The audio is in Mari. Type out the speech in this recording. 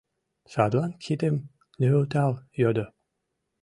Садлан кидым нӧлтал йодо: